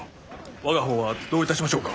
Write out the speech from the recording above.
我が方はどういたしましょうか。